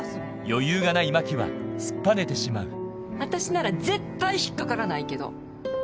余裕がない真希は突っぱねてしまう私なら絶対引っ掛からないけど。